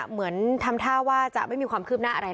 เหมือนทำท่าว่าจะไม่มีความคืบหน้าอะไร